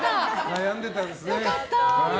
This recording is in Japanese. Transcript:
悩んでたんですね。